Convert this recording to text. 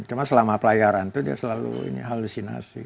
cuma selama pelayaran itu dia selalu ini halusinasi